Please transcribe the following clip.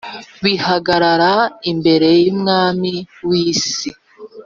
bihagarara imbere y’Umwami w’isi